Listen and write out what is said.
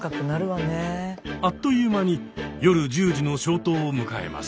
あっという間に夜１０時の消灯を迎えます。